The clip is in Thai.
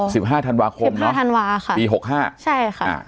สิบห้าธันวาคมเนอะสิบห้าธันวาค่ะปีหกห้าใช่ค่ะ